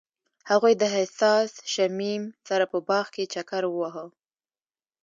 هغوی د حساس شمیم سره په باغ کې چکر وواهه.